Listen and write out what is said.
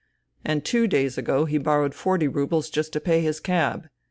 — and two days ago he borrowed forty roubles just to pay his cab.